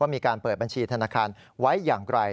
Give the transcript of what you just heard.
มีการเปิดบัญชีธนาคารไว้อย่างไร